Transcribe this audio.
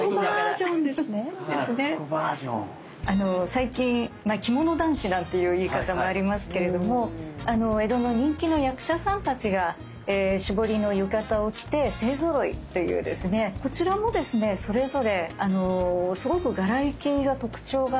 最近着物男子なんていう言い方がありますけれども江戸の人気の役者さんたちが絞りの浴衣を着て勢ぞろいというですねこちらもですねそれぞれすごく柄行きが特徴がありまして。